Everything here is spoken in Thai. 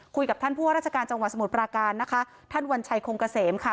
คุยกับท่านผู้ว่าราชการจังหวัดสมุทรปราการนะคะท่านวัญชัยคงเกษมค่ะ